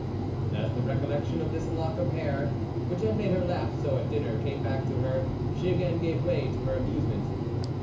And as the recol lection of this lock of hair, which had made her laugh so at dinner, came back to her, she again gave way to her amuse ment.